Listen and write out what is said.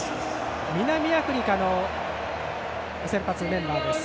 南アフリカの先発メンバーです。